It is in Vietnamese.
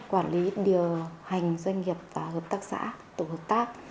quản lý điều hành doanh nghiệp hợp tác xã tổ hợp tác